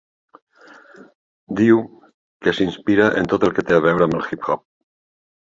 Diu que s'inspira en tot el té a veure amb el hip-hop.